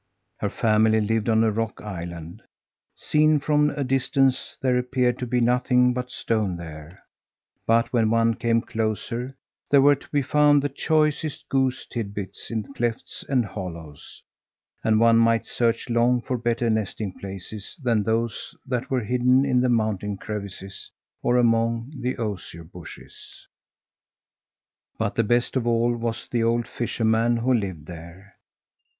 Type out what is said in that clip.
Her family lived on a rock island. Seen from a distance, there appeared to be nothing but stone there; but when one came closer, there were to be found the choicest goose tidbits in clefts and hollows, and one might search long for better nesting places than those that were hidden in the mountain crevices or among the osier bushes. But the best of all was the old fisherman who lived there.